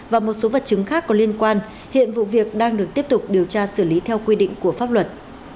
và một số vật chứng khác có liên quan hiện vụ việc đang được tiếp tục điều tra xử lý theo quy định của pháp luật